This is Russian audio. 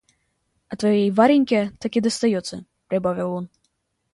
А твоей Вареньке таки достается, — прибавил он.